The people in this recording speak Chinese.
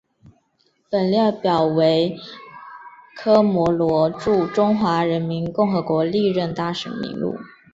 本列表为科摩罗驻中华人民共和国历任大使名录。